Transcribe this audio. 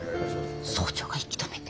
総長が引き止めて。